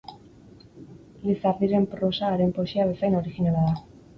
Lizardiren prosa haren poesia bezain originala da.